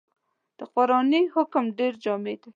دا قرآني حکم ډېر جامع دی.